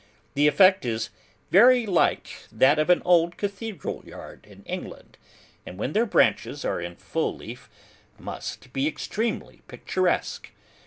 The effect is very like that of an old cathedral yard in England; and when their branches are in full leaf, must be extremely picturesque.